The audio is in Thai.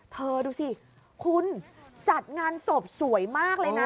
ดูสิคุณจัดงานศพสวยมากเลยนะ